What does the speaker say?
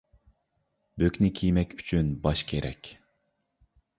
بۆكنى كىيمەك ئۈچۈن باش كېرەك.